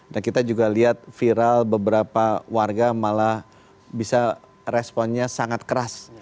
dan kita juga lihat viral beberapa warga malah bisa responnya sangat keras